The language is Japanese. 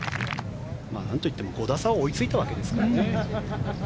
なんといっても５打差を追いついたわけですからね。